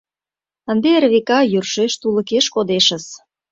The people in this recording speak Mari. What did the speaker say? Ынде Эрвика йӧршеш тулыкеш кодешыс.